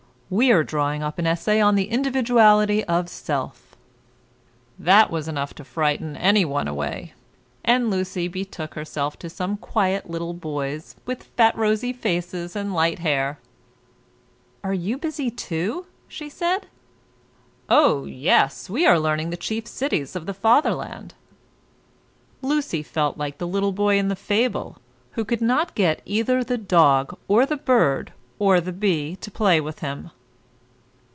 "We are drawing up an essay on the individuality of self." That was enough to frighten any one away, and Lucy betook herself to some quite little boys, with fat rosy faces and light hair. "Are you busy, too?" she said. "Oh yes; we are learning the chief cities of the Fatherland." Lucy felt like the little boy in the fable, who could not get either the dog, or the bird, or the bee, to play with him.